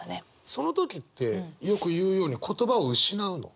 その時ってよく言うように言葉を失うの？